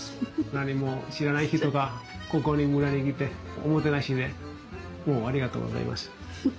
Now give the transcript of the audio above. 何も知らない人がここに村に来ておもてなしでありがとうございました。